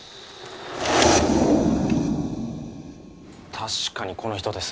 確かにこの人です